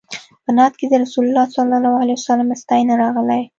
په نعت کې د رسول الله صلی الله علیه وسلم ستاینه راغلې.